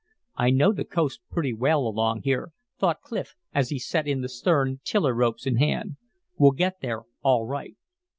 "I know the coast pretty well along here," thought Clif, as he set in the stern, tiller ropes in hand. "We'll get there all right."